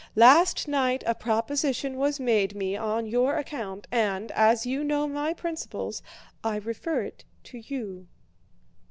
Last night a proposition was made me on your account and, as you know my principles, I refer it to you."